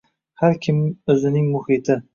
Har kim o’zining muhiti